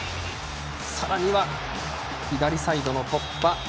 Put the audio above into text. さらには左サイドの突破。